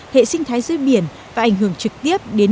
hệ sinh thái dưới biển và ảnh hưởng trực tiếp đến